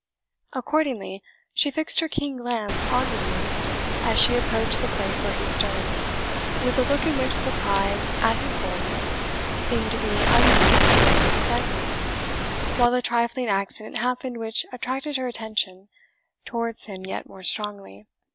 Accordingly, she fixed her keen glance on the youth, as she approached the place where he stood, with a look in which surprise at his boldness seemed to be unmingled with resentment, while a trifling accident happened which attracted her attention towards him yet more strongly.